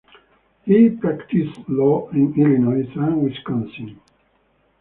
He practiced law in Illinois and Wisconsin.